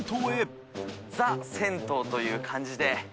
悄覆个拭ザ・銭湯という感じで。